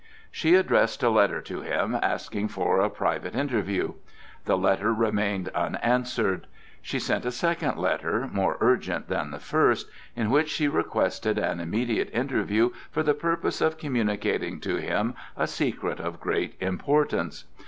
She addressed a letter to him asking for a private interview. The letter remained unanswered. She sent a second letter, more urgent than the first, in which she requested an immediate interview for the purpose of communicating to him a secret of great importance.